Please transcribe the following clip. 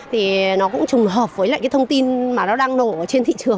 thì nó cũng trùng hợp với lại cái thông tin mà nó đang nổ trên thị trường